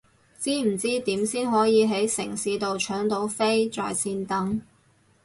知唔知點先可以係城市到搶到飛在線等？